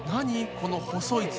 この細い筒。